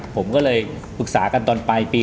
ผมก็เลยปรึกษากันตอนปลายปี